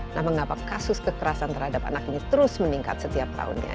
nah mengapa kasus kekerasan terhadap anak ini terus meningkat setiap tahunnya